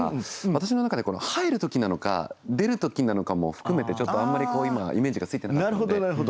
私の中で入る時なのか出る時なのかも含めてちょっとあんまり今イメージがついてなかったんで。